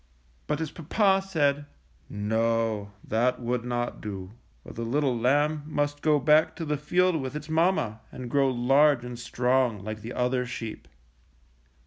But his papa said: "No, that would not do, for the little lamb must go back to the field with its mamma and grow large and strong like the other sheep.